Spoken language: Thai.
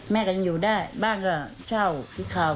แม่ก็ยังอยู่ได้บ้างก็เช่าที่เขา